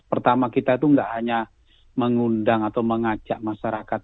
pertama kita itu tidak hanya mengundang atau mengajak masyarakatnya